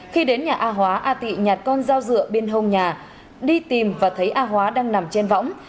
khi đến nhà a hóa a tị nhạt con dao dựa bên hông nhà đi tìm và thấy a hóa đang nằm trên võng